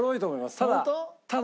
ただ。